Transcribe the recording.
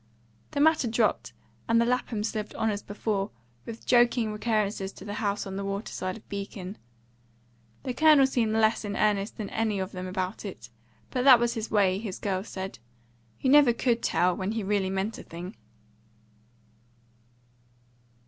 The matter dropped, and the Laphams lived on as before, with joking recurrences to the house on the water side of Beacon. The Colonel seemed less in earnest than any of them about it; but that was his way, his girls said; you never could tell when he really meant a thing.